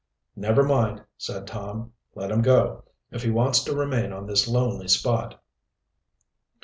"Never mind," said Tom; "let him go, if he wants to remain on this lonely spot."